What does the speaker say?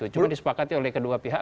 cuma disepakati oleh kedua pihak